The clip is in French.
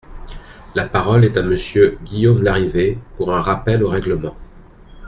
La parole est à Monsieur Guillaume Larrivé, pour un rappel au règlement.